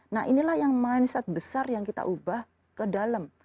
nah inilah yang mindset besar yang kita ubah ke dalam